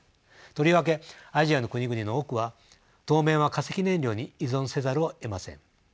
とりわけアジアの国々の多くは当面は化石燃料に依存せざるをえません。